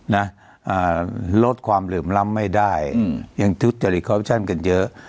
ยังทุกจาริเคราะห์พิชันกันเยอะ